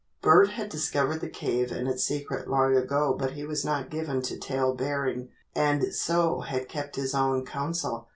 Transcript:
Bert had discovered the cave and its secret long ago but he was not given to tale bearing and so had kept his own counsel.